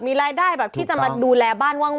มีรายได้แบบที่จะมาดูแลบ้านว่าง